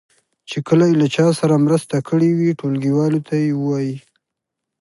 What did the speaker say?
چې کله یې له چا سره مرسته کړې وي ټولګیوالو ته یې ووایي.